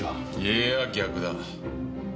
いや逆だ。